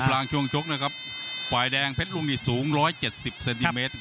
ลูกรางช่วงชกนะครับฝ่ายแดงเพชรลุงที่สูงร้อยเจ็ดสิบเซนติเมตรครับ